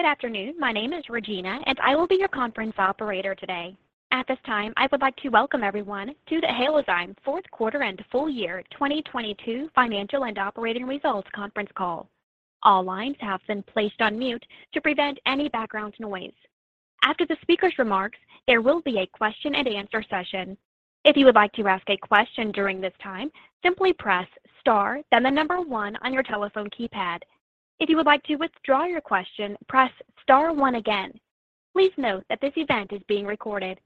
Good afternoon, my name is Regina, and I will be your conference operator today. At this time, I would like to welcome everyone to the Halozyme Fourth Quarter and full year 2022 Financial and Operating Results Conference Call. All lines have been placed on mute to prevent any background noise. After the speaker's remarks, there will be a question and answer session. If you would like to ask a question during this time, simply press star then the number one on your telephone keypad. If you would like to withdraw your question, press star one again. Please note that this event is being recorded.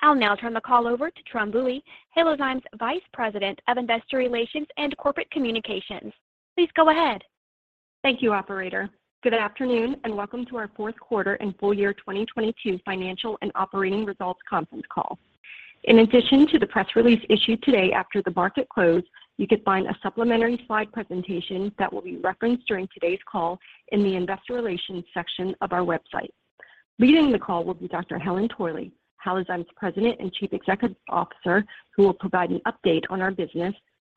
I'll now turn the call over to Tram Bui, Halozyme's Vice President of Investor Relations and Corporate Communications. Please go ahead. Thank you, operator. Good afternoon, and welcome to our fourth quarter and full year 2022 financial and operating results conference call. In addition to the press release issued today after the market closed, you can find a supplementary slide presentation that will be referenced during today's call in the investor relations section of our website. Leading the call will be Dr. Helen Torley, Halozyme's President and Chief Executive Officer, who will provide an update on our business,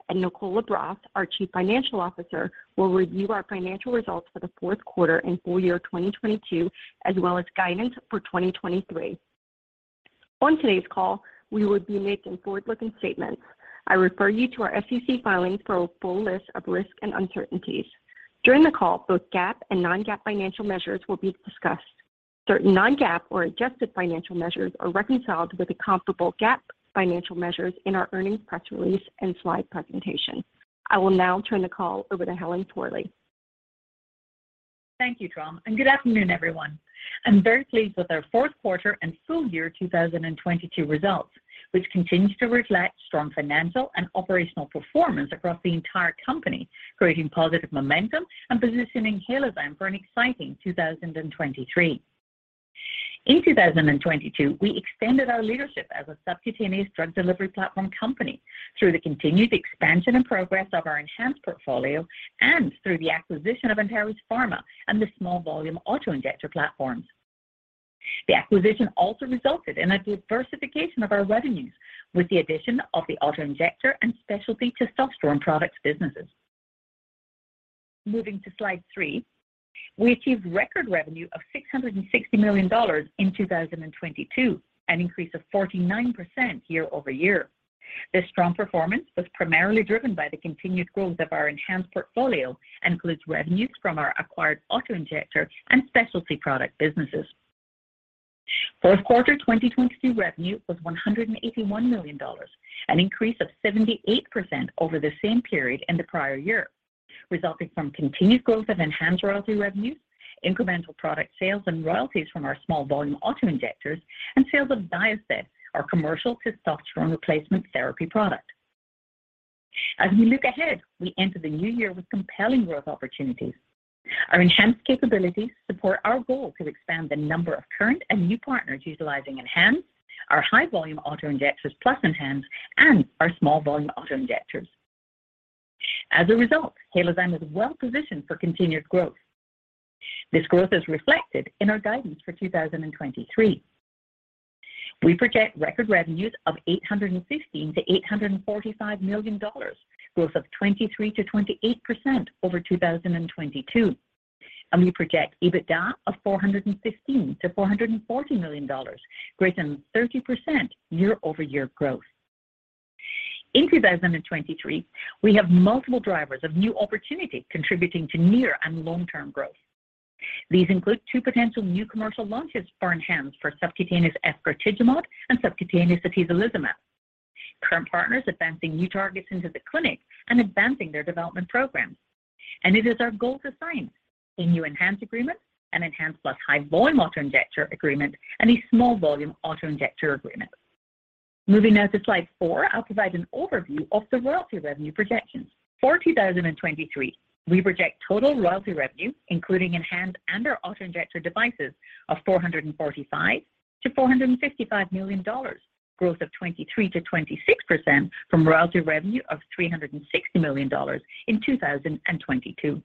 and Nicole LaBrosse, our Chief Financial Officer, will review our financial results for the fourth quarter and full year 2022, as well as guidance for 2023. On today's call, we will be making forward-looking statements. I refer you to our SEC filings for a full list of risks and uncertainties. During the call, both GAAP and non-GAAP financial measures will be discussed. Certain non-GAAP or adjusted financial measures are reconciled with the comparable GAAP financial measures in our earnings press release and slide presentation. I will now turn the call over to Helen Torley. Thank you, Tram. Good afternoon, everyone. I'm very pleased with our fourth quarter and full year 2022 results, which continues to reflect strong financial and operational performance across the entire company, creating positive momentum and positioning Halozyme for an exciting 2023. In 2022, we extended our leadership as a subcutaneous drug delivery platform company through the continued expansion and progress of our ENHANZE portfolio and through the acquisition of Antares Pharma and the small volume auto-injector platforms. The acquisition also resulted in a diversification of our revenues, with the addition of the auto-injector and specialty testosterone products businesses. Moving to slide three, we achieved record revenue of $660 million in 2022, an increase of 49% year-over-year. This strong performance was primarily driven by the continued growth of our ENHANZE portfolio and includes revenues from our acquired auto-injector and specialty product businesses. Fourth quarter 2022 revenue was $181 million, an increase of 78% over the same period in the prior year, resulting from continued growth of ENHANZE royalty revenues, incremental product sales and royalties from our small volume auto-injectors, and sales of XYOSTED, our commercial testosterone replacement therapy product. As we look ahead, we enter the new year with compelling growth opportunities. Our ENHANZE capabilities support our goal to expand the number of current and new partners utilizing ENHANZE, our high-volume auto-injectors Plus ENHANZE, and our small-volume auto-injectors. As a result, Halozyme is well positioned for continued growth. This growth is reflected in our guidance for 2023. We project record revenues of $815 million-$845 million, growth of 23%-28% over 2022. We project EBITDA of $415 million-$440 million, greater than 30% year-over-year growth. In 2023, we have multiple drivers of new opportunities contributing to near and long-term growth. These include two potential new commercial launches for ENHANZE for subcutaneous efgartigimod and subcutaneous atezolizumab. Current partners advancing new targets into the clinic and advancing their development programs. It is our goal to sign a new ENHANZE agreement, an ENHANZE plus high-volume auto-injector agreement, and a small volume auto-injector agreement. Moving now to slide four, I'll provide an overview of the royalty revenue projections. For 2023, we project total royalty revenue, including ENHANZE and our auto-injector devices of $445 million-$455 million, growth of 23%-26% from royalty revenue of $360 million in 2022.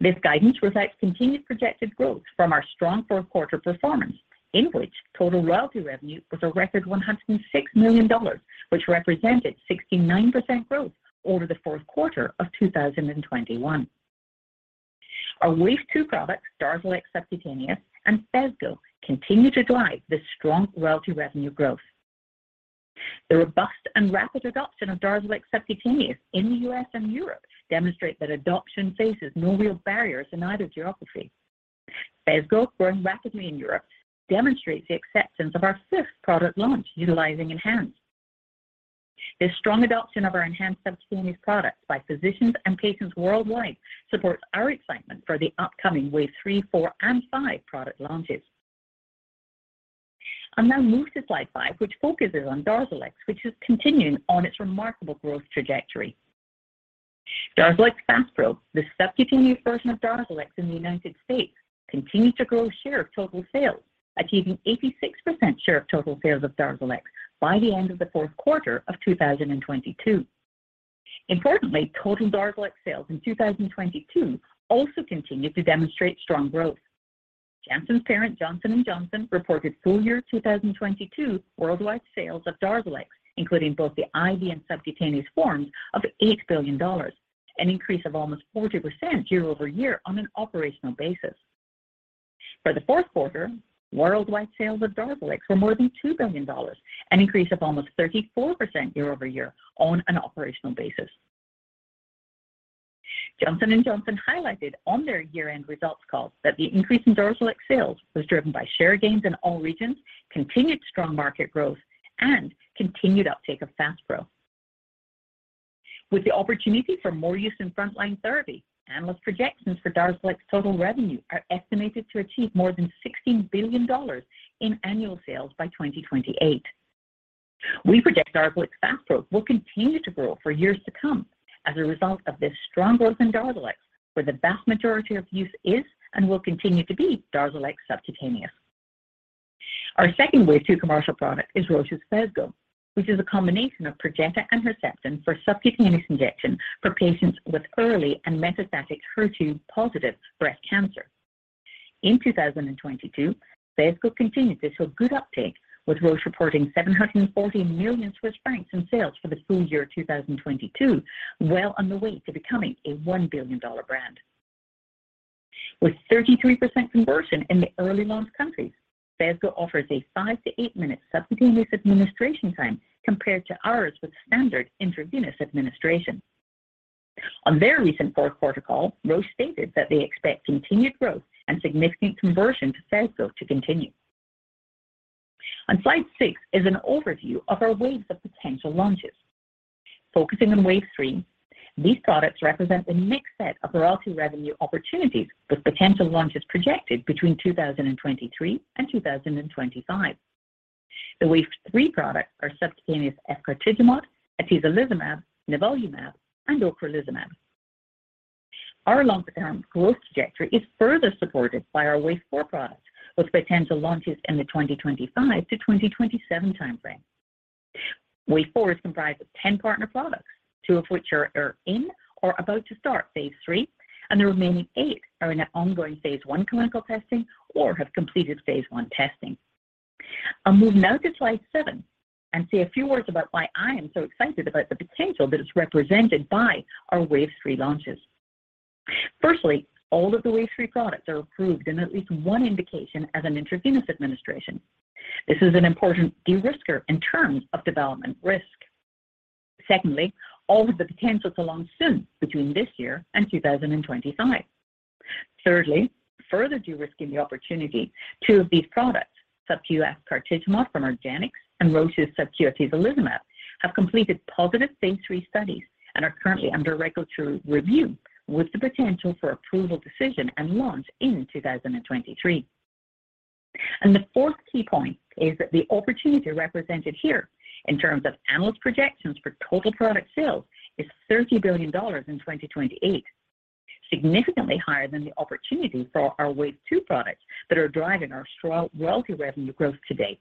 This guidance reflects continued projected growth from our strong fourth quarter performance, in which total royalty revenue was a record $106 million, which represented 69% growth over the fourth quarter of 2021. Our Wave Two products, DARZALEX subcutaneous and Phesgo, continue to drive this strong royalty revenue growth. The robust and rapid adoption of DARZALEX subcutaneous in the U.S. and Europe demonstrate that adoption faces no real barriers in either geography. Phesgo, growing rapidly in Europe, demonstrates the acceptance of our fifth product launch utilizing ENHANZE. The strong adoption of our ENHANZE subcutaneous products by physicians and patients worldwide supports our excitement for the upcoming Wave Three, Four, and Five product launches. I'll now move to slide five, which focuses on DARZALEX, which is continuing on its remarkable growth trajectory. DARZALEX FASPRO, the subcutaneous version of DARZALEX in the United States, continued to grow share of total sales, achieving 86% share of total sales of DARZALEX by the end of the fourth quarter of 2022. Importantly, total DARZALEX sales in 2022 also continued to demonstrate strong growth. Janssen's parent, Johnson & Johnson, reported full-year 2022 worldwide sales of DARZALEX, including both the IV and subcutaneous forms of $8 billion. An increase of almost 40% year-over-year on an operational basis. For the fourth quarter, worldwide sales of DARZALEX were more than $2 billion, an increase of almost 34% year-over-year on an operational basis. Johnson & Johnson highlighted on their year-end results call that the increase in DARZALEX sales was driven by share gains in all regions, continued strong market growth and continued uptake of FASPRO. With the opportunity for more use in frontline therapy, analyst projections for DARZALEX total revenue are estimated to achieve more than $16 billion in annual sales by 2028. We predict DARZALEX FASPRO will continue to grow for years to come as a result of this strong growth in DARZALEX, where the vast majority of use is and will continue to be DARZALEX subcutaneous. Our second Wave Two commercial product is Roche's Phesgo, which is a combination of Perjeta and Herceptin for subcutaneous injection for patients with early and metastatic HER2-positive breast cancer. In 2022, Phesgo continued to show good uptake, with Roche reporting 714 million Swiss francs in sales for the full year 2022, well on the way to becoming a $1 billion brand. With 33% conversion in the early launch countries, Phesgo offers a five to eight minute subcutaneous administration time compared to hours with standard intravenous administration. On their recent fourth quarter call, Roche stated that they expect continued growth and significant conversion to Phesgo to continue. On slide six is an overview of our waves of potential launches. Focusing on Wave Three, these products represent a mixed set of royalty revenue opportunities, with potential launches projected between 2023 and 2025. The Wave Three products are subcutaneous efgartigimod, atezolizumab, nivolumab, and ocrelizumab. Our long-term growth trajectory is further supported by our Wave Four products, with potential launches in the 2025 to 2027 time frame. Wave Four is comprised of 10 partner products, two of which are in or about to start Phase III, and the remaining eight are in ongoing Phase I clinical testing or have completed Phase I testing. I'll move now to slide seven and say a few words about why I am so excited about the potential that is represented by our Wave Three launches. Firstly, all of the Wave Three products are approved in at least one indication as an intravenous administration. This is an important de-risker in terms of development risk. Secondly, all have the potential to launch soon, between this year and 2025. Thirdly, further de-risking the opportunity, two of these products, subcu efgartigimod from argenx and Roche's subcu atezolizumab, have completed positive Phase III studies and are currently under regulatory review with the potential for approval decision and launch in 2023. The fourth key point is that the opportunity represented here in terms of analyst projections for total product sales is $30 billion in 2028, significantly higher than the opportunity for our Wave Two products that are driving our strong royalty revenue growth to date.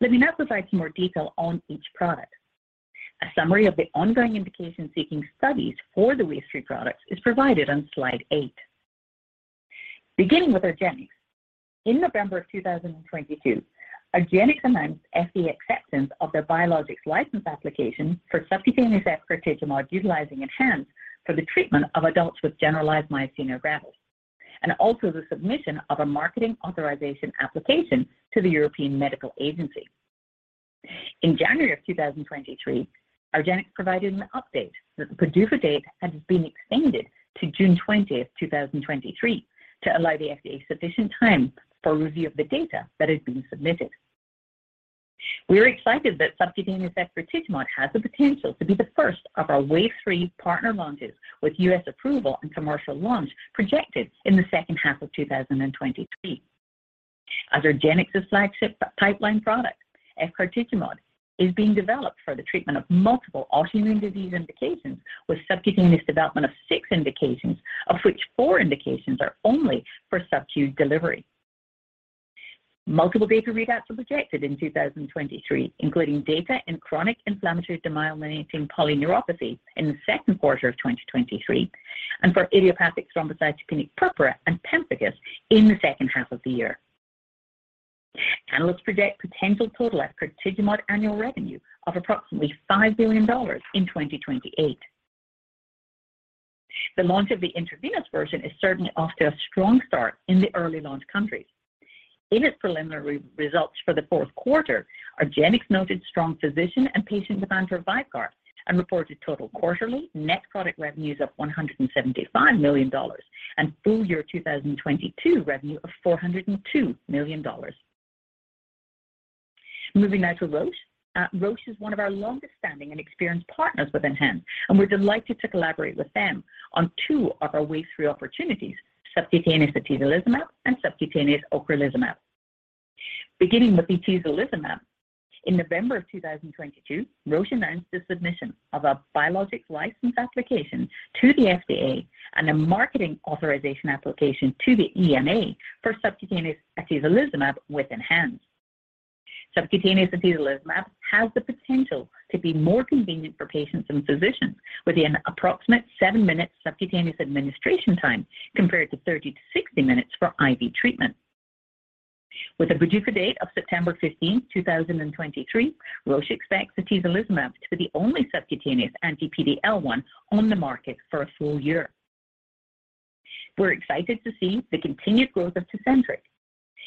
Let me now provide some more detail on each product. A summary of the ongoing indication seeking studies for the Wave Three products is provided on slide eight. Beginning with argenx. In November of 2022, argenx announced FDA acceptance of their Biologics License Application for subcutaneous efgartigimod utilizing ENHANZE for the treatment of adults with generalized myasthenia gravis, and also the submission of a Marketing Authorisation Application to the European Medicines Agency. In January of 2023, argenx provided an update that the PDUFA date had been extended to June 20th, 2023, to allow the FDA sufficient time for review of the data that had been submitted. We are excited that subcutaneous efgartigimod has the potential to be the first of our Wave Three partner launches, with U.S. approval and commercial launch projected in the second half of 2023. As argenx's flagship pipeline product, efgartigimod is being developed for the treatment of multiple autoimmune disease indications, with subcutaneous development of six indications, of which four indications are only for subcu delivery. Multiple data readouts are projected in 2023, including data in chronic inflammatory demyelinating polyneuropathy in the second quarter of 2023, and for idiopathic thrombocytopenic purpura and Pemphigus in the second half of the year. Analysts project potential total efgartigimod annual revenue of approximately $5 billion in 2028. The launch of the intravenous version is certainly off to a strong start in the early launch countries. In its preliminary results for the fourth quarter, argenx noted strong physician and patient demand for VYVGART and reported total quarterly net product revenues of $175 million and full year 2022 revenue of $402 million. Moving now to Roche. Roche is one of our longest standing and experienced partners with ENHANZE, and we're delighted to collaborate with them on two of our Wave Three opportunities, subcutaneous atezolizumab and subcutaneous ocrelizumab. Beginning with atezolizumab. In November of 2022, Roche announced the submission of a Biologics License Application to the FDA and a Marketing Authorization Application to the EMA for subcutaneous atezolizumab with ENHANZE. Subcutaneous atezolizumab has the potential to be more convenient for patients and physicians, with an approximate seven-minute subcutaneous administration time compared to 30-60 minutes for IV treatment. With a PDUFA date of September 15, 2023, Roche expects atezolizumab to be the only subcutaneous anti-PD-L1 on the market for a full year. We're excited to see the continued growth of TECENTRIQ.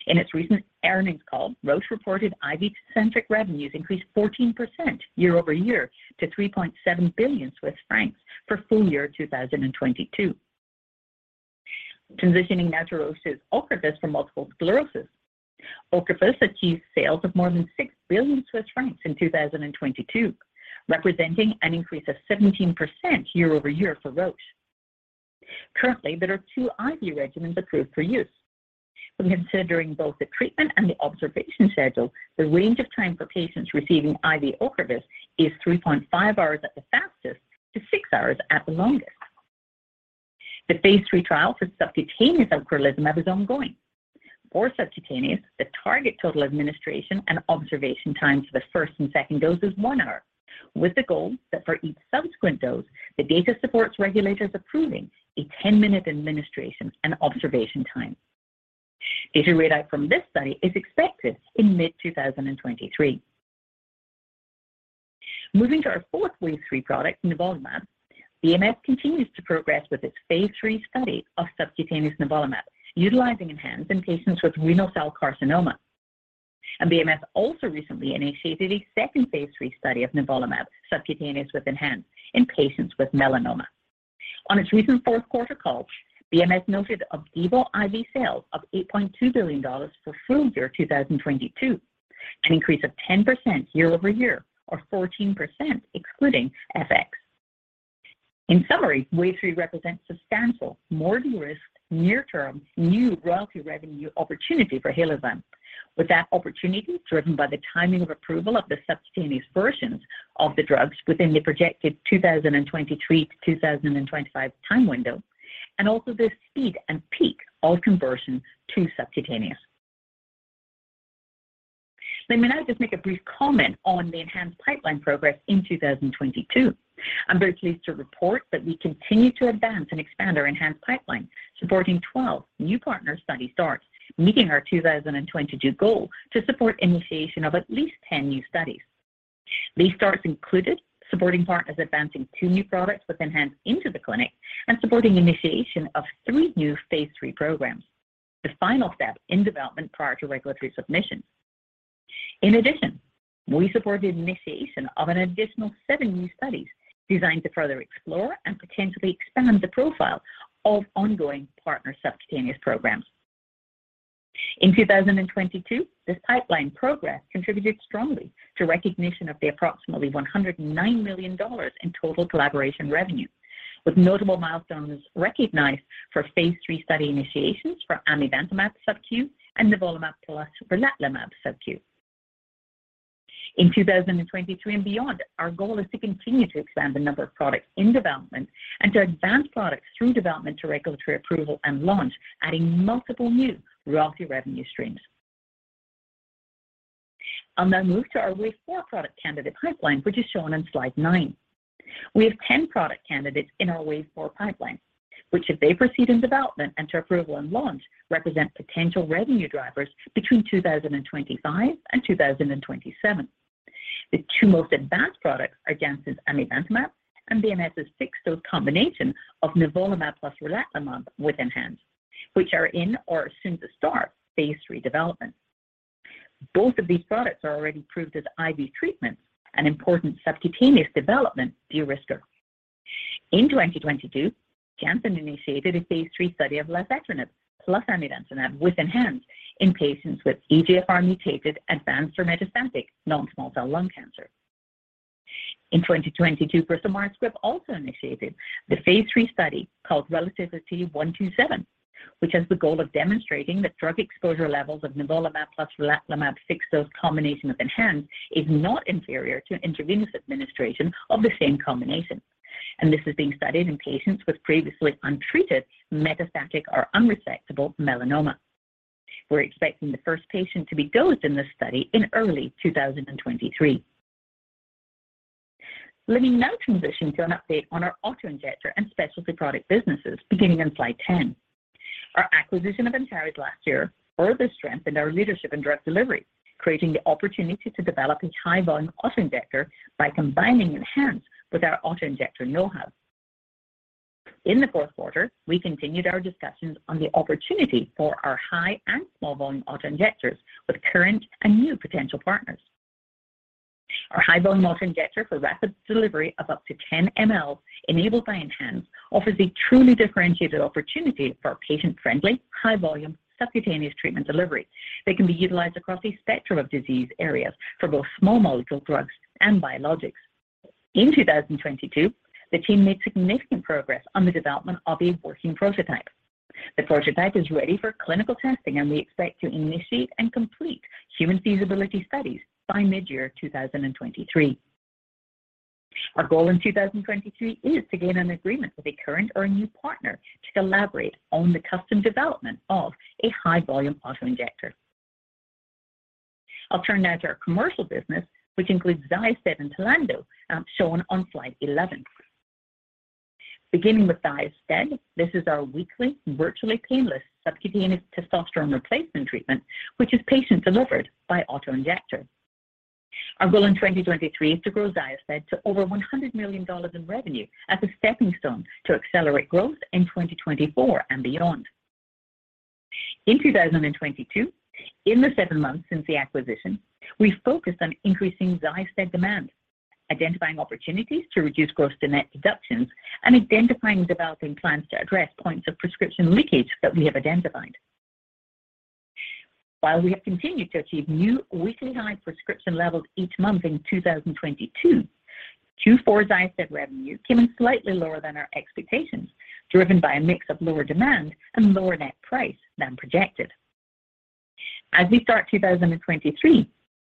In its recent earnings call, Roche reported IV TECENTRIQ revenues increased 14% year-over-year to 3.7 billion Swiss francs for full year 2022. Transitioning now to Roche's OCREVUS for multiple sclerosis. OCREVUS achieved sales of more than 6 billion Swiss francs in 2022, representing an increase of 17% year-over-year for Roche. Currently, there are two IV regimens approved for use. When considering both the treatment and the observation schedule, the range of time for patients receiving IV OCREVUS is 3.5 hours at the fastest to six hours at the longest. The phase III trial for subcutaneous of ocrelizumab is ongoing. For subcutaneous, the target total administration and observation time for the first and second dose is one hour, with the goal that for each subsequent dose, the data supports regulators approving a 10-minute administration and observation time. Data readout from this study is expected in mid-2023. Moving to our fourth Wave Three product, nivolumab, BMS continues to progress with its phase III study of subcutaneous nivolumab, utilizing ENHANZE in patients with renal cell carcinoma. BMS also recently initiated a second phase III study of nivolumab subcutaneous with ENHANZE in patients with melanoma. On its recent fourth quarter call, BMS noted Opdivo IV sales of $8.2 billion for full year 2022, an increase of 10% year-over-year or 14% excluding FX. In summary, wave three represents substantial, more de-risked, near-term new royalty revenue opportunity for Halozyme, with that opportunity driven by the timing of approval of the subcutaneous versions of the drugs within the projected 2023-2025 time window, and also the speed and peak of conversion to subcutaneous. Let me now just make a brief comment on the ENHANZE pipeline progress in 2022. I'm very pleased to report that we continue to advance and expand our ENHANZE pipeline, supporting 12 new partner study starts, meeting our 2022 goal to support initiation of at least 10 new studies. These starts included supporting partners advancing 2 new products with ENHANZE into the clinic and supporting initiation of three new phase III programs, the final step in development prior to regulatory submission. In addition, we supported initiation of an additional seven new studies designed to further explore and potentially expand the profile of ongoing partner subcutaneous programs. In 2022, this pipeline progress contributed strongly to recognition of the approximately $109 million in total collaboration revenue, with notable milestones recognized for phase III study initiations for amivantamab subcu and nivolumab plus relatlimab subcu. In 2023 and beyond, our goal is to continue to expand the number of products in development and to advance products through development to regulatory approval and launch, adding multiple new royalty revenue streams. I'll now move to our wave four product candidate pipeline, which is shown on slide nine. We have 10 product candidates in our wave four pipeline, which if they proceed in development and to approval and launch, represent potential revenue drivers between 2025 and 2027. The two most advanced products are Janssen's amivantamab and BMS's fixed-dose combination of nivolumab plus relatlimab with ENHANZE, which are in or soon to start phase III development. Both of these products are already approved as IV treatments, an important subcutaneous development de-risker. In 2022, Janssen initiated a phase III study of lazertinib plus amivantamab with ENHANZE in patients with EGFR mutated advanced or metastatic non-small cell lung cancer. In 2022, Bristol-Myers Squibb also initiated the phase III study called RELATIVITY-127, which has the goal of demonstrating that drug exposure levels of nivolumab plus relatlimab fixed-dose combination with ENHANZE is not inferior to intravenous administration of the same combination. This is being studied in patients with previously untreated metastatic or unresectable melanoma. We're expecting the first patient to be dosed in this study in early 2023. Let me now transition to an update on our auto-injector and specialty product businesses beginning on slide 10. Our acquisition of Antares last year further strengthened our leadership in drug delivery, creating the opportunity to develop a high-volume auto-injector by combining ENHANZE with our auto-injector know-how. In the fourth quarter, we continued our discussions on the opportunity for our high and small volume auto-injectors with current and new potential partners. Our high-volume auto-injector for rapid delivery of up to 10 ml enabled by ENHANZE offers a truly differentiated opportunity for patient-friendly, high-volume subcutaneous treatment delivery that can be utilized across a spectrum of disease areas for both small molecule drugs and biologics. In 2022, the team made significant progress on the development of a working prototype. The prototype is ready for clinical testing, and we expect to initiate and complete human feasibility studies by mid-year 2023. Our goal in 2023 is to gain an agreement with a current or a new partner to collaborate on the custom development of a high-volume auto-injector. I'll turn now to our commercial business, which includes XYOSTED and TLANDO, shown on slide 11. Beginning with XYOSTED, this is our weekly virtually painless subcutaneous testosterone replacement treatment, which is patient delivered by auto-injector. Our goal in 2023 is to grow XYOSTED to over $100 million in revenue as a stepping stone to accelerate growth in 2024 and beyond. In 2022, in the seven months since the acquisition, we focused on increasing XYOSTED demand, identifying opportunities to reduce gross to net deductions, and identifying and developing plans to address points of prescription leakage that we have identified. While we have continued to achieve new weekly high prescription levels each month in 2022, Q4 XYOSTED revenue came in slightly lower than our expectations, driven by a mix of lower demand and lower net price than projected. As we start 2023,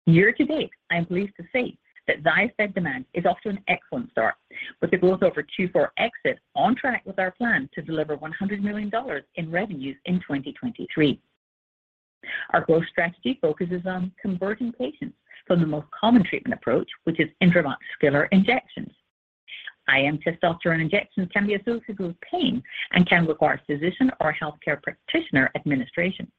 year-to-date, I am pleased to say that XYOSTED demand is off to an excellent start, with the growth over Q4 exit on track with our plan to deliver $100 million in revenues in 2023. Our growth strategy focuses on converting patients from the most common treatment approach, which is intramuscular injections. IM testosterone injections can be associated with pain and can require physician or healthcare practitioner administration.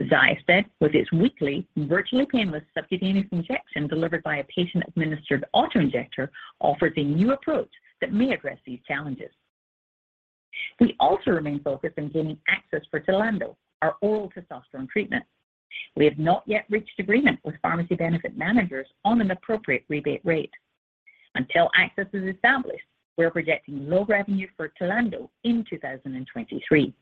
XYOSTED, with its weekly virtually painless subcutaneous injection delivered by a patient-administered auto-injector, offers a new approach that may address these challenges. We also remain focused on gaining access for TLANDO, our oral testosterone treatment. We have not yet reached agreement with pharmacy benefit managers on an appropriate rebate rate. Until access is established, we are projecting low revenue for TLANDO in 2023.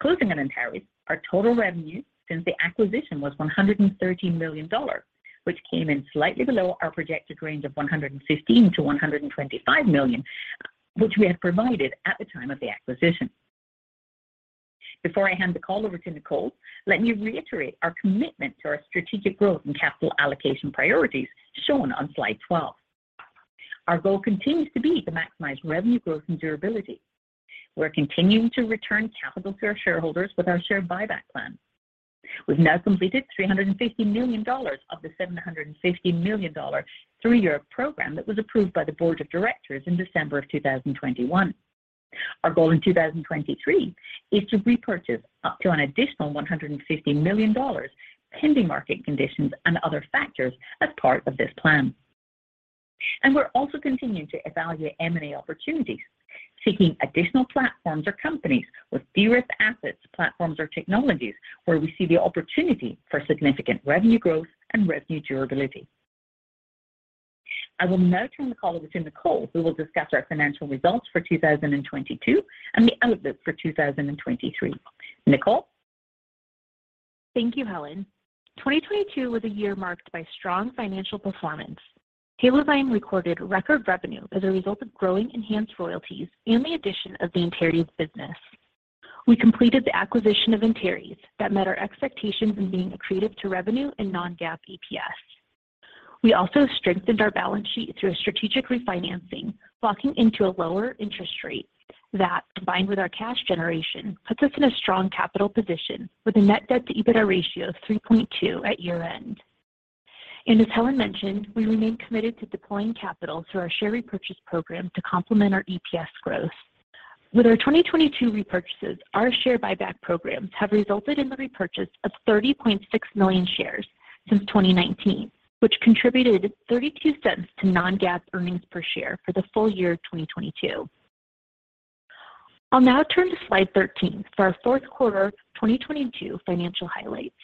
Closing on Antares, our total revenue since the acquisition was $113 million, which came in slightly below our projected range of $115 million-$125 million, which we had provided at the time of the acquisition. Before I hand the call over to Nicole, let me reiterate our commitment to our strategic growth and capital allocation priorities shown on slide 12. Our goal continues to be to maximize revenue growth and durability. We're continuing to return capital to our shareholders with our share buyback plan. We've now completed $350 million of the $750 million three-year program that was approved by the board of directors in December of 2021. Our goal in 2023 is to repurchase up to an additional $150 million, pending market conditions and other factors as part of this plan. We're also continuing to evaluate M&A opportunities, seeking additional platforms or companies with de-risk assets, platforms, or technologies where we see the opportunity for significant revenue growth and revenue durability. I will now turn the call over to Nicole, who will discuss our financial results for 2022 and the outlook for 2023. Nicole? Thank you, Helen. 2022 was a year marked by strong financial performance. Halozyme recorded record revenue as a result of growing ENHANZE royalties and the addition of the Antares business. We completed the acquisition of Antares that met our expectations in being accretive to revenue and non-GAAP EPS. We also strengthened our balance sheet through a strategic refinancing, locking into a lower interest rate that, combined with our cash generation, puts us in a strong capital position with a net debt-to-EBITDA ratio of 3.2 at year-end. As Helen mentioned, we remain committed to deploying capital through our share repurchase program to complement our EPS growth. With our 2022 repurchases, our share buyback programs have resulted in the repurchase of 30.6 million shares since 2019, which contributed $0.32 to non-GAAP earnings per share for the full year of 2022. I'll now turn to slide 13 for our fourth quarter of 2022 financial highlights.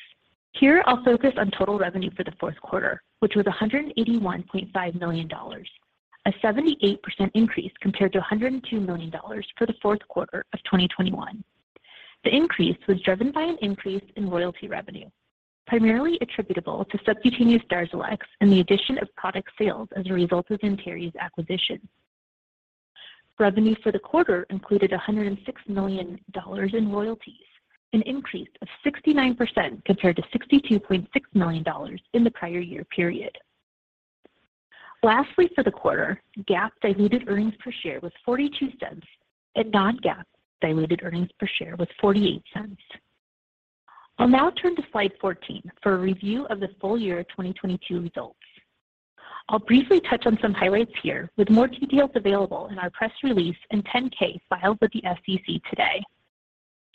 Here, I'll focus on total revenue for the fourth quarter, which was $181.5 million, a 78% increase compared to $102 million for the fourth quarter of 2021. The increase was driven by an increase in royalty revenue, primarily attributable to subcutaneous DARZALEX and the addition of product sales as a result of Antares acquisition. Revenue for the quarter included $106 million in royalties, an increase of 69% compared to $62.6 million in the prior year period. Lastly, for the quarter, GAAP diluted earnings per share was $0.42 and non-GAAP diluted earnings per share was $0.48. I'll now turn to slide 14 for a review of the full year 2022 results. I'll briefly touch on some highlights here with more details available in our press release and 10-K filed with the SEC today.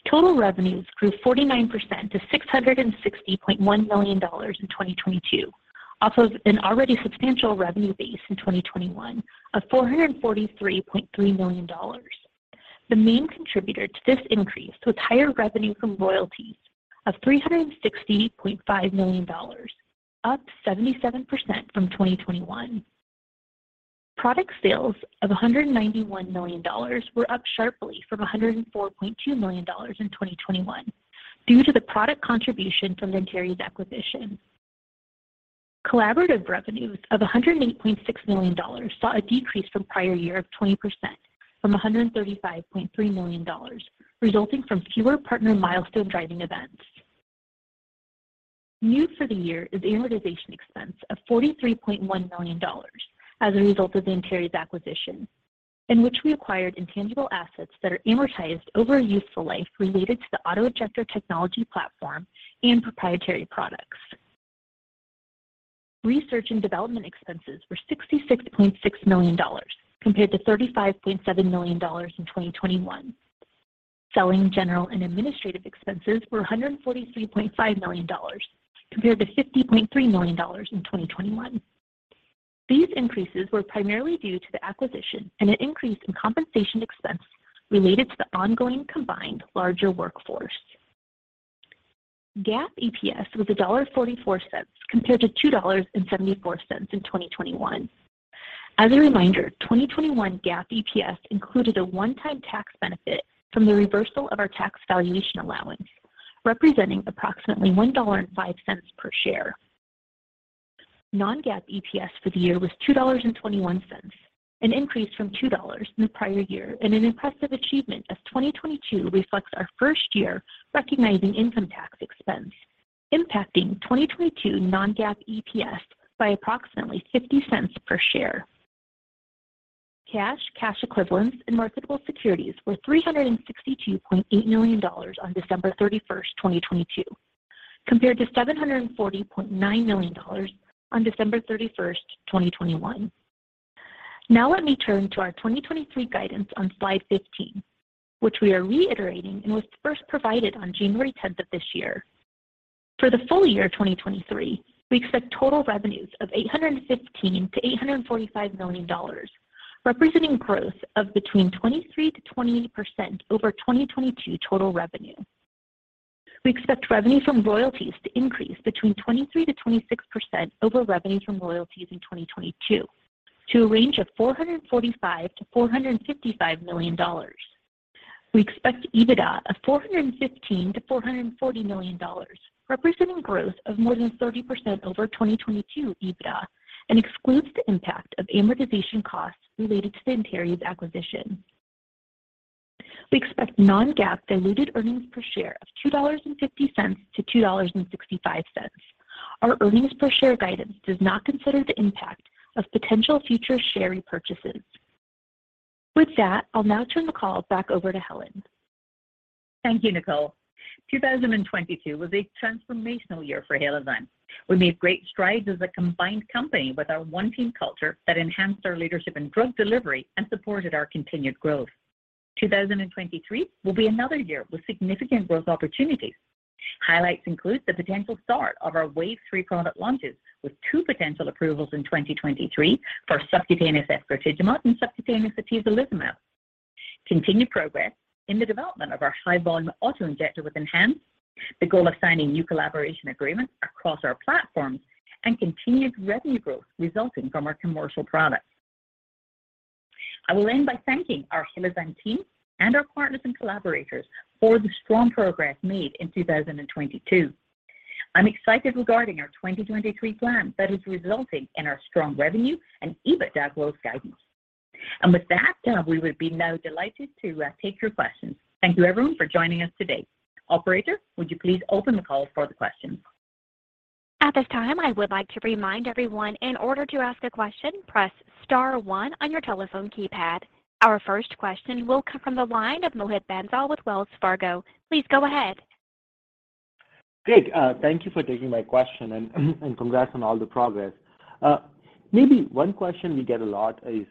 Total revenues grew 49% to $660.1 million in 2022, off of an already substantial revenue base in 2021 of $443.3 million. The main contributor to this increase was higher revenue from royalties of $360.5 million, up 77% from 2021. Product sales of $191 million were up sharply from $104.2 million in 2021 due to the product contribution from the Antares acquisition. Collaborative revenues of $108.6 million saw a decrease from prior year of 20% from $135.3 million, resulting from fewer partner milestone driving events. New for the year is amortization expense of $43.1 million as a result of the Antares acquisition, in which we acquired intangible assets that are amortized over a useful life related to the auto-injector technology platform and proprietary products. Research and development expenses were $66.6 million compared to $35.7 million in 2021. Selling general and administrative expenses were $143.5 million compared to $50.3 million in 2021. These increases were primarily due to the acquisition and an increase in compensation expense related to the ongoing combined larger workforce. GAAP EPS was $1.44 compared to $2.74 in 2021. As a reminder, 2021 GAAP EPS included a one-time tax benefit from the reversal of our tax valuation allowance, representing approximately $1.05 per share. Non-GAAP EPS for the year was $2.21, an increase from $2.00 in the prior year, and an impressive achievement as 2022 reflects our first year recognizing income tax expense, impacting 2022 non-GAAP EPS by approximately $0.50 per share. Cash, cash equivalents, and marketable securities were $362.8 million on December 31st, 2022, compared to $740.9 million on December 31st, 2021. Let me turn to our 2023 guidance on slide 15, which we are reiterating and was first provided on January 10th of this year. For the full year of 2023, we expect total revenues of $815 million-$845 million, representing growth of between 23%-28% over 2022 total revenue. We expect revenue from royalties to increase between 23%-26% over revenue from royalties in 2022 to a range of $445 million-$455 million. We expect EBITDA of $415 million-$440 million, representing growth of more than 30% over 2022 EBITDA and excludes the impact of amortization costs related to the Antares acquisition. We expect non-GAAP diluted earnings per share of $2.50 to $2.65. Our earnings per share guidance does not consider the impact of potential future share repurchases. With that, I'll now turn the call back over to Helen. Thank you, Nicole. 2022 was a transformational year for Halozyme. We made great strides as a combined company with our One Team culture that enhanced our leadership in drug delivery and supported our continued growth. 2023 will be another year with significant growth opportunities. Highlights include the potential start of our Wave Three product launches with two potential approvals in 2023 for subcutaneous efgartigimod and subcutaneous atezolizumab. Continued progress in the development of our high-volume auto-injector with ENHANZE, the goal of signing new collaboration agreements across our platforms, and continued revenue growth resulting from our commercial products. I will end by thanking our Halozyme team and our partners and collaborators for the strong progress made in 2022. I'm excited regarding our 2023 plan that is resulting in our strong revenue and EBITDA growth guidance. With that, we would be now delighted to take your questions. Thank you everyone for joining us today. Operator, would you please open the call for the questions? At this time, I would like to remind everyone in order to ask a question, press star one on your telephone keypad. Our first question will come from the line of Mohit Bansal with Wells Fargo. Please go ahead. Great. Thank you for taking my question and congrats on all the progress. Maybe one question we get a lot is,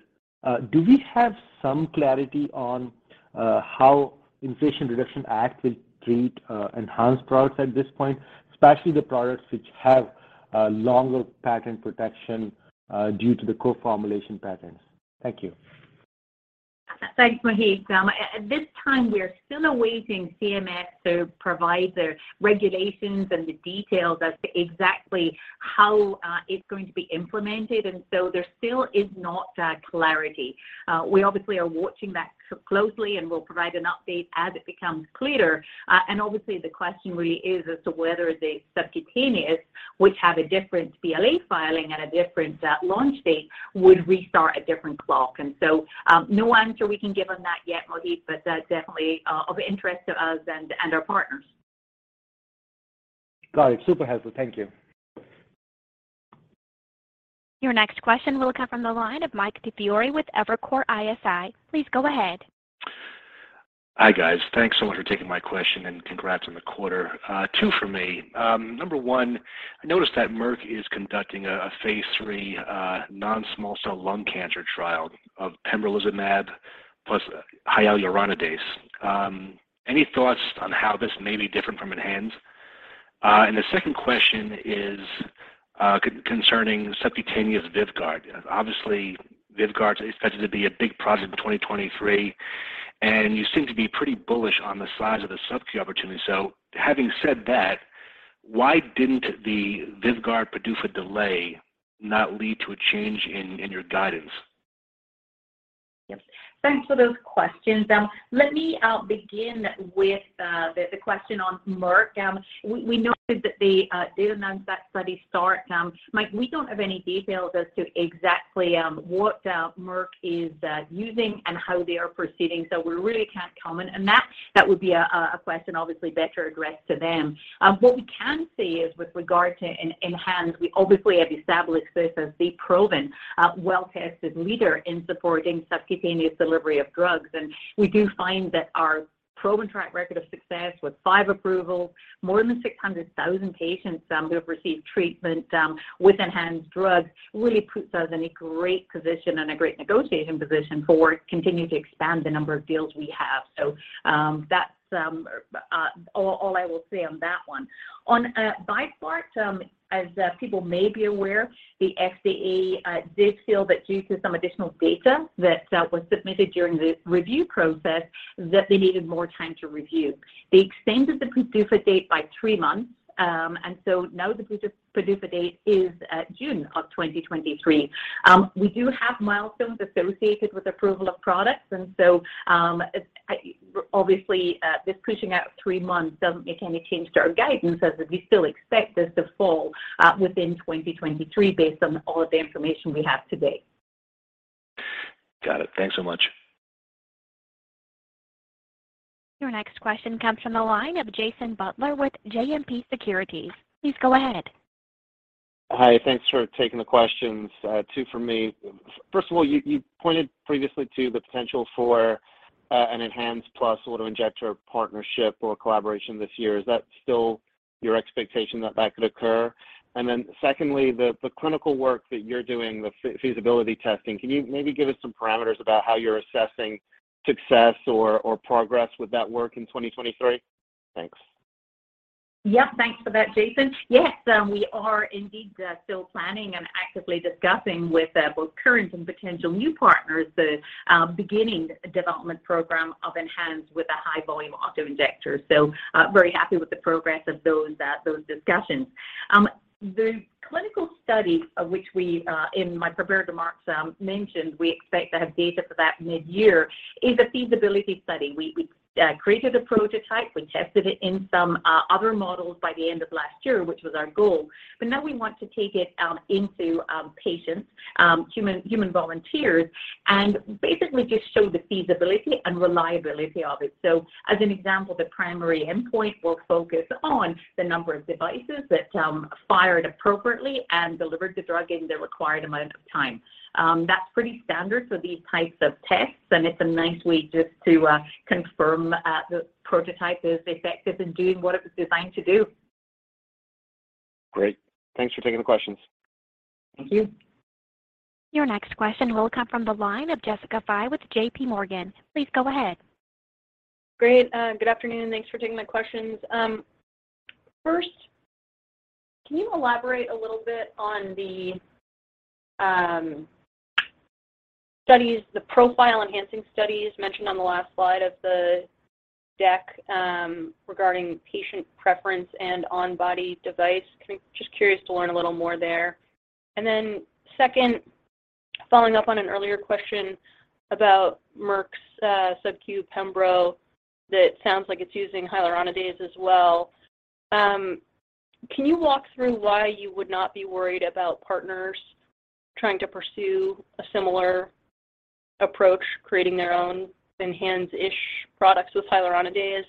do we have some clarity on how Inflation Reduction Act will treat ENHANZE products at this point, especially the products which have longer patent protection due to the co-formulation patents? Thank you. Thanks, Mohit. At this time, we are still awaiting CMS to provide the regulations and the details as to exactly how it's going to be implemented, there still is not clarity. We obviously are watching that closely, and we'll provide an update as it becomes clearer. Obviously the question really is as to whether the subcutaneous, which have a different BLA filing and a different launch date, would restart a different clock. No answer we can give on that yet, Mohit, but that's definitely of interest to us and our partners. Got it. Super helpful. Thank you. Your next question will come from the line of Michael DiFiore with Evercore ISI. Please go ahead. Hi, guys. Thanks so much for taking my question, and congrats on the quarter. Two from me. Number one, I noticed that Merck is conducting a phase III non-small cell lung cancer trial of pembrolizumab plus hyaluronidase. Any thoughts on how this may be different from ENHANZE? The second question is concerning subcutaneous VYVGART. Obviously, VYVGART's expected to be a big product in 2023, and you seem to be pretty bullish on the size of the subcu opportunity. Having said that, why didn't the VYVGART PDUFA delay not lead to a change in your guidance? Yep. Thanks for those questions. Let me begin with the question on Merck. We noted that the data announced at study start. Mike, we don't have any details as to exactly what Merck is using and how they are proceeding, so we really can't comment on that. That would be a question obviously better addressed to them. What we can say is with regard to ENHANZE, we obviously have established this as the proven, well-tested leader in supporting subcutaneous delivery of drugs. We do find that our proven track record of success with five approvals, more than 600,000 patients, who have received treatment with ENHANZE drugs really puts us in a great position and a great negotiating position for continue to expand the number of deals we have. That's all I will say on that one. On VYVGART, as people may be aware, the FDA did feel that due to some additional data that was submitted during the review process, that they needed more time to review. They extended the PDUFA date by three months, and so now the PDUFA date is June of 2023. We do have milestones associated with approval of products, obviously, this pushing out three months doesn't make any change to our guidance as we still expect this to fall within 2023 based on all of the information we have to date. Got it. Thanks so much. Your next question comes from the line of Jason Butler with JMP Securities. Please go ahead. Hi. Thanks for taking the questions. two for me. First of all, you pointed previously to the potential for an ENHANZE plus auto-injector partnership or collaboration this year. Is that still your expectation that that could occur? Secondly, the clinical work that you're doing, the feasibility testing, can you maybe give us some parameters about how you're assessing success or progress with that work in 2023? Thanks. Yeah, thanks for that, Jason. Yes, we are indeed still planning and actively discussing with both current and potential new partners the beginning development program of ENHANZE with a high volume auto-injector. Very happy with the progress of those discussions. The clinical study of which we in my prepared remarks mentioned, we expect to have data for that midyear, is a feasibility study. We created a prototype. We tested it in some other models by the end of last year, which was our goal. Now we want to take it into patients, human volunteers, and basically just show the feasibility and reliability of it. As an example, the primary endpoint will focus on the number of devices that fired appropriately and delivered the drug in the required amount of time. That's pretty standard for these types of tests, and it's a nice way just to confirm the prototype is effective in doing what it was designed to do. Great. Thanks for taking the questions. Thank you. Your next question will come from the line of Jessica Fye with J.P. Morgan. Please go ahead. Great. good afternoon. Thanks for taking my questions. first, can you elaborate a little bit on the studies, the profile enhancing studies mentioned on the last slide of the deck, regarding patient preference and on body device? Just curious to learn a little more there. Second, following up on an earlier question about Merck's subcu pembro that sounds like it's using hyaluronidase as well, can you walk through why you would not be worried about partners trying to pursue a similar approach, creating their own ENHANZE-ish products with hyaluronidase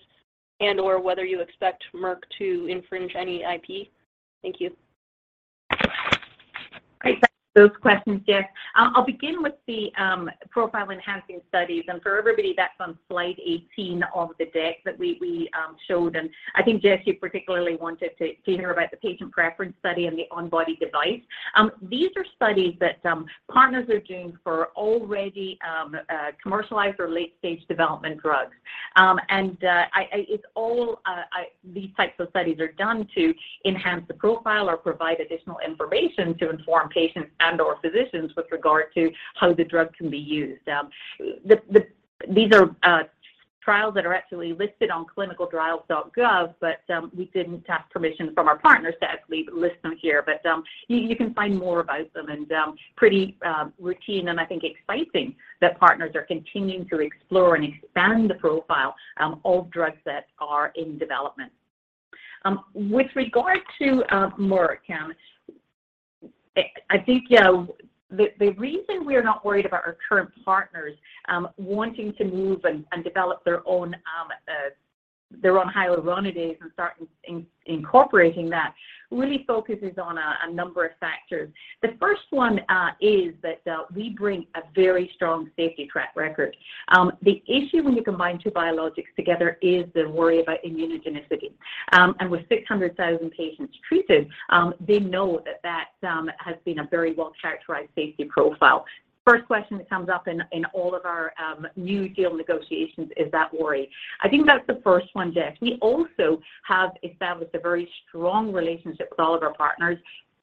and or whether you expect Merck to infringe any IP? Thank you. Great. Thanks for those questions, Jess. I'll begin with the profile enhancing studies. For everybody that's on slide 18 of the deck that we showed. I think, Jess, you particularly wanted to hear about the patient preference study and the on body device. These are studies that partners are doing for already commercialized or late-stage development drugs. And it's all these types of studies are done to enhance the profile or provide additional information to inform patients and/or physicians with regard to how the drug can be used. These are trials that are actually listed on ClinicalTrials.gov, but we didn't have permission from our partners to actually list them here. You, you can find more about them and pretty routine and I think exciting that partners are continuing to explore and expand the profile of drugs that are in development. With regard to Merck, I think, you know, the reason we're not worried about our current partners wanting to move and develop their own hyaluronidase and start incorporating that really focuses on a number of factors. The first one is that we bring a very strong safety track record. The issue when you combine two biologics together is the worry about immunogenicity. And with 600,000 patients treated, they know that has been a very well-characterized safety profile. First question that comes up in all of our new deal negotiations is that worry. I think that's the first one, Jess. We also have established a very strong relationship with all of our partners,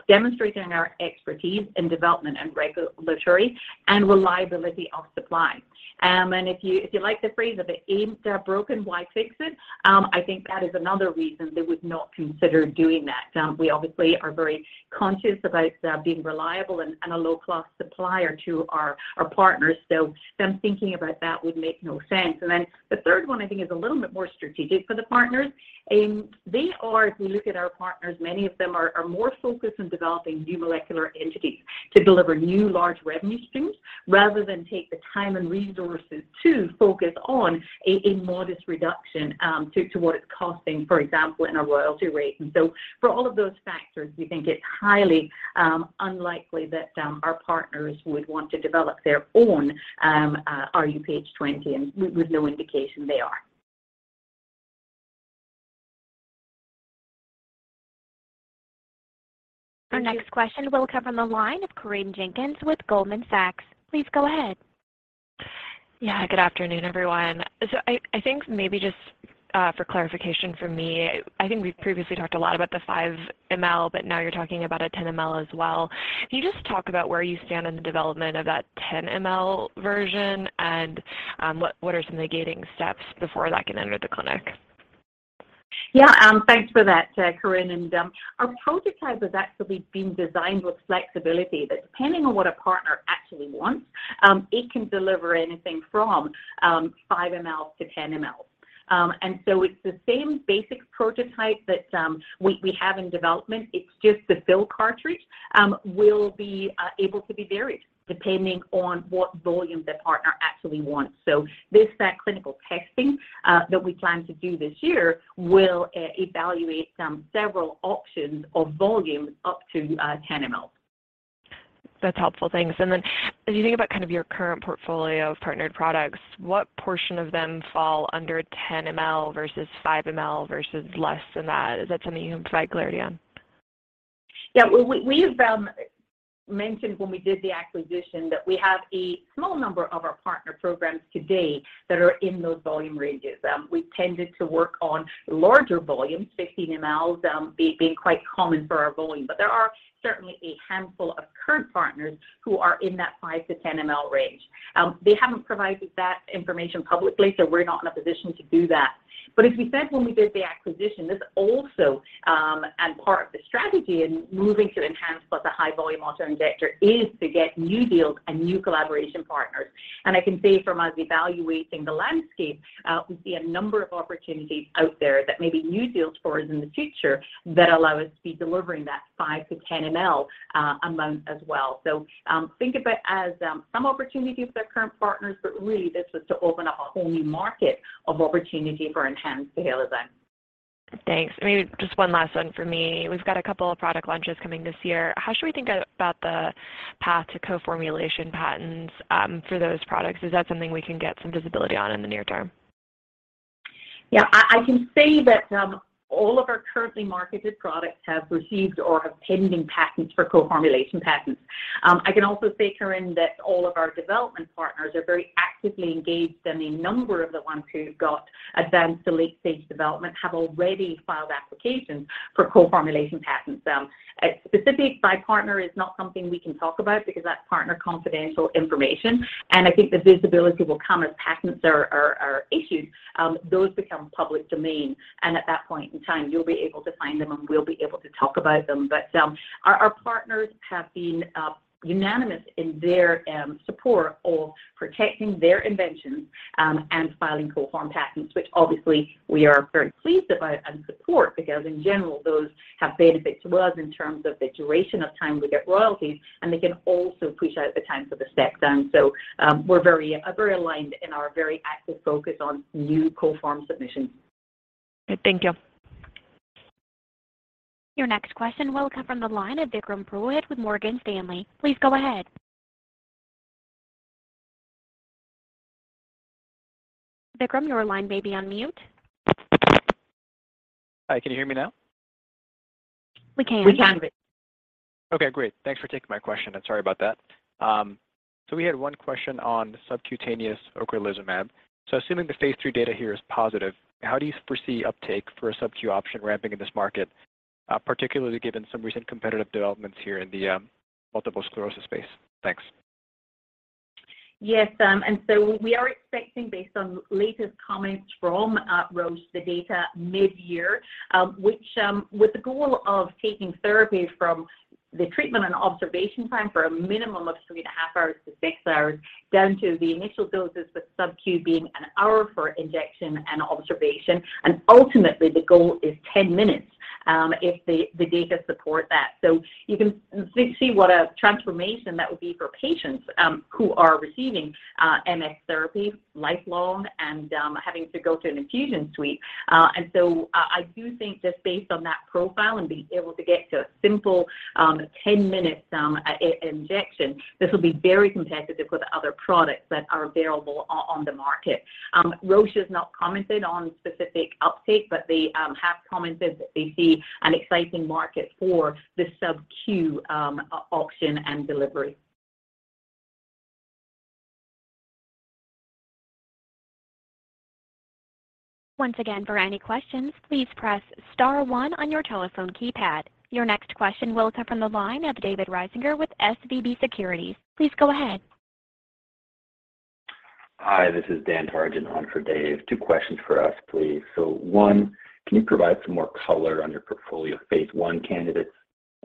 demonstrating our expertise in development and regulatory and reliability of supply. If you like the phrase, if it ain't broken, why fix it? I think that is another reason they would not consider doing that. We obviously are very conscious about being reliable and a low-cost supplier to our partners. So them thinking about that would make no sense. The third one I think is a little bit more strategic for the partners. If you look at our partners, many of them are more focused on developing new molecular entities to deliver new large revenue streams rather than take the time and resources to focus on a modest reduction to what it's costing, for example, in a royalty rate. For all of those factors, we think it's highly unlikely that our partners would want to develop their own rHuPH20, with no indication they are. Our next question will come from the line of Corinne Jenkins with Goldman Sachs. Please go ahead. Yeah. Good afternoon, everyone. I think maybe just for clarification for me, I think we've previously talked a lot about the 5 ml, now you're talking about a 10 ml as well. Can you just talk about where you stand in the development of that 10 ml version and, what are some of the gating steps before that can enter the clinic? Yeah, thanks for that, Corinne. Our prototype has actually been designed with flexibility that depending on what a partner actually wants, it can deliver anything from 5 ml to 10 ml. It's the same basic prototype that we have in development. It's just the fill cartridge will be able to be varied depending on what volume the partner actually wants. That clinical testing that we plan to do this year will evaluate several options of volume up to 10 ml. That's helpful. Thanks. Then as you think about kind of your current portfolio of partnered products, what portion of them fall under 10 ml versus 5 ml versus less than that? Is that something you can provide clarity on? We've mentioned when we did the acquisition that we have a small number of our partner programs today that are in those volume ranges. We've tended to work on larger volumes, 15 mls, being quite common for our volume. There are certainly a handful of current partners who are in that 5 to 10 ml range. They haven't provided that information publicly, so we're not in a position to do that. As we said when we did the acquisition, this also, and part of the strategy in moving to ENHANZE what the high volume auto-injector is to get new deals and new collaboration partners. I can say from us evaluating the landscape, we see a number of opportunities out there that may be new deals for us in the future that allow us to be delivering that 5 to 10 ml amount as well. Think of it as some opportunities with our current partners, but really this was to open up a whole new market of opportunity for enhanced ENHANZE. Thanks. Maybe just one last one for me. We've got a couple of product launches coming this year. How should we think about the path to co-formulation patents for those products? Is that something we can get some visibility on in the near term? I can say that all of our currently marketed products have received or have pending patents for co-formulation patents. I can also say, Corinne, that all of our development partners are very actively engaged, and a number of the ones who've got advanced to late stage development have already filed applications for co-formulation patents. Specific by partner is not something we can talk about because that's partner confidential information, and I think the visibility will come as patents are issued. Those become public domain, and at that point in time you'll be able to find them and we'll be able to talk about them. Our partners have been unanimous in their support of protecting their inventions and filing co-form patents, which obviously we are very pleased about and support because in general those have benefit to us in terms of the duration of time we get royalties, and they can also push out the time for the step down. We're very aligned in our very active focus on new co-form submissions. Good. Thank you. Your next question will come from the line of Vikram Purohit with Morgan Stanley. Please go ahead. Vikram, your line may be on mute. Hi, can you hear me now? We can. We can. Okay, great. Thanks for taking my question. Sorry about that. We had one question on subcutaneous ocrelizumab. Assuming the phase III data here is positive, how do you foresee uptake for a subcu option ramping in this market, particularly given some recent competitive developments here in the multiple sclerosis space? Thanks. Yes. We are expecting based on latest comments from Roche, the data mid-year, with the goal of taking therapy from the treatment and observation time for a minimum of 3.5 hours to six hours, down to the initial doses with subcu being an hour for injection and observation. The goal is 10 minutes if the data support that. You can see what a transformation that would be for patients who are receiving MS therapy lifelong and having to go to an infusion suite. I do think just based on that profile and being able to get to a simple, 10-minute injection, this will be very competitive with other products that are available on the market. Roche has not commented on specific uptake, but they have commented that they see an exciting market for the subcu, option and delivery. Once again, for any questions, please press star one on your telephone keypad. Your next question will come from the line of David Risinger with SVB Securities. Please go ahead. Hi, this is Dan Tarjan on for Dave. Two questions for us, please. One, can you provide some more color on your portfolio phase I candidates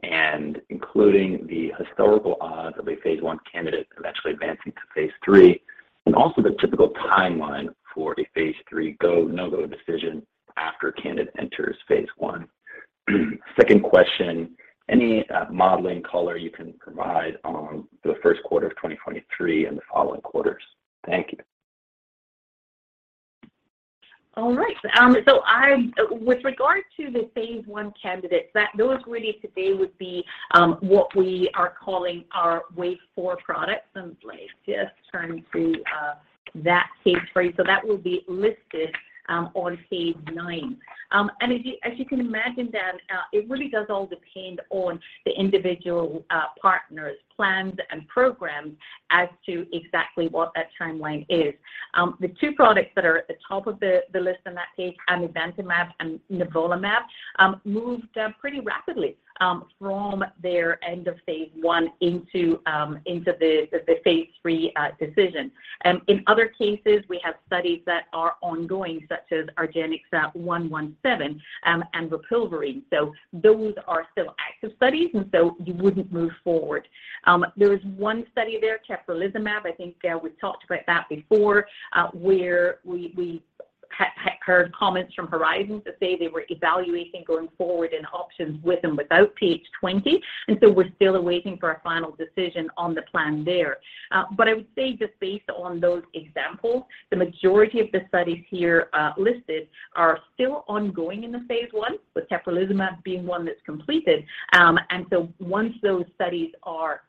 and including the historical odds of a phase I candidate eventually advancing to phase III, and also the typical timeline for a phase III go/no-go decision after candidate enters phase I? Second question, any modeling color you can provide on the first quarter of 2023 and the following quarters? Thank you. All right. With regard to the phase I candidates, those really today would be what we are calling our Wave Four products. If I just turn to That phase III. That will be listed on page nine. As you, as you can imagine then, it really does all depend on the individual partners plans and programs as to exactly what that timeline is. The two products that are at the top of the list on that page, amivantamab and nivolumab, moved pretty rapidly from their end of phase I into the phase III decision. In other cases, we have studies that are ongoing, such as ARGX-117, and rilpivirine. Those are still active studies, and so you wouldn't move forward. There is one study there, teplizumab, I think, Dan, we talked about that before, where we heard comments from Horizon that say they were evaluating going forward and options with and without PH20. We're still awaiting for a final decision on the plan there. But I would say just based on those examples, the majority of the studies here, listed are still ongoing in the phase I, with Teplizumab being one that's completed. Once those studies are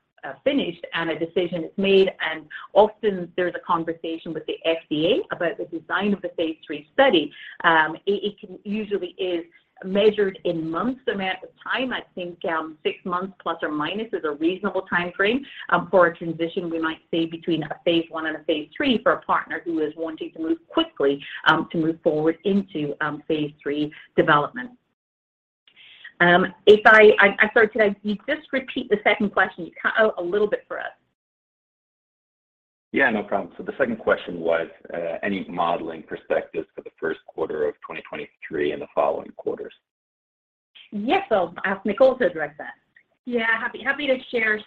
finished and a decision is made, and often there's a conversation with the FDA about the design of the phase III study, it can usually is measured in months amount of time. I think, six months plus or minus is a reasonable time frame, for a transition we might see between a phase I and a phase III for a partner who is wanting to move quickly, to move forward into, phase III development. Sorry, could I have you just repeat the second question? You cut out a little bit for us. Yeah, no problem. The second question was, any modeling perspectives for the first quarter of 2023 and the following quarters? Yes. I'll ask Nicole to address that. Happy to share.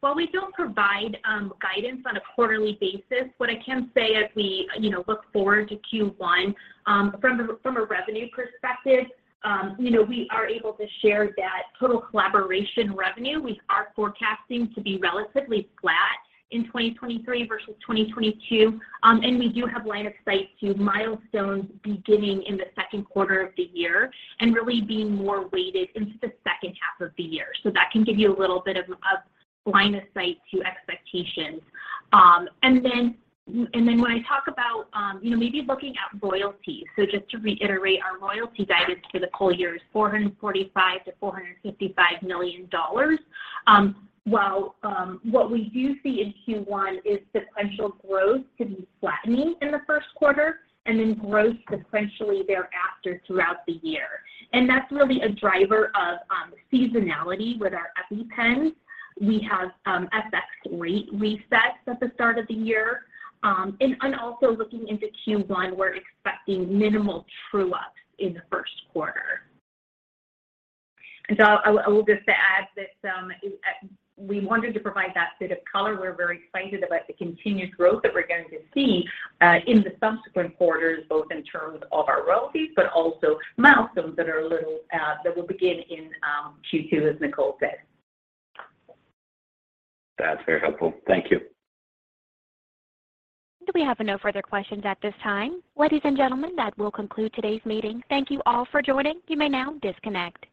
While we don't provide guidance on a quarterly basis, what I can say as we, you know, look forward to Q1, from a revenue perspective, you know, we are able to share that total collaboration revenue we are forecasting to be relatively flat in 2023 versus 2022. We do have line of sight to milestones beginning in the second quarter of the year and really being more weighted into the second half of the year. That can give you a little bit of a line of sight to expectations. When I talk about, you know, maybe looking at royalties. Just to reiterate, our royalty guidance for the whole year is $445 million-$455 million. While, what we do see in Q1 is sequential growth could be flattening in the first quarter and then growth sequentially thereafter throughout the year. That's really a driver of seasonality with our EpiPen. We have FX rate resets at the start of the year. Also looking into Q1, we're expecting minimal true up in the first quarter. I will just add that, we wanted to provide that bit of color. We're very excited about the continued growth that we're going to see, in the subsequent quarters, both in terms of our royalties, but also milestones that are a little, that will begin in, Q2, as Nicole said. That's very helpful. Thank you. We have no further questions at this time. Ladies and gentlemen, that will conclude today's meeting. Thank you all for joining. You may now disconnect.